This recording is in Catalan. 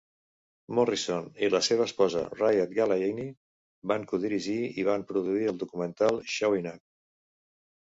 Morrison i la seva esposa Riad Galayini van codirigir i van produir el documental "Showing Up".